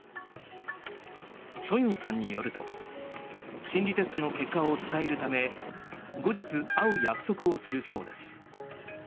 ソユンさんによると心理テストの結果を伝えるため後日、会う約束をするそうです。